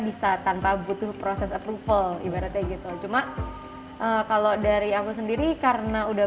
bisa tanpa butuh proses approval ibaratnya gitu cuma kalau dari aku sendiri karena udah